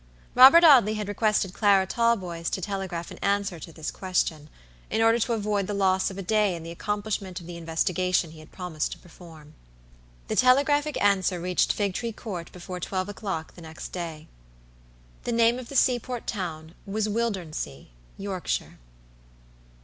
Robert Audley had requested Clara Talboys to telegraph an answer to his question, in order to avoid the loss of a day in the accomplishment of the investigation he had promised to perform. The telegraphic answer reached Figtree Court before twelve o'clock the next day. The name of the seaport town was Wildernsea, Yorkshire.